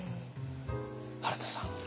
原田さん。